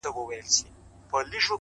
• سل ځله مي وایستل توبه له لېونتوب څخه ,